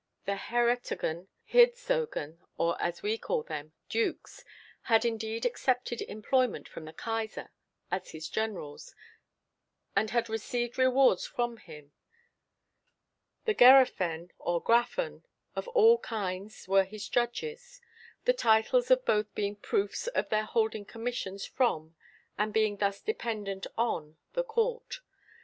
The Heretogen, Heerzogen, or, as we call them, Dukes, had indeed accepted employment from the Kaiser as his generals, and had received rewards from him; the Gerefen, or Graffen, of all kinds were his judges, the titles of both being proofs of their holding commissions from, and being thus dependent on, the court.